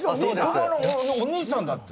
⁉三笘のお兄さんだって。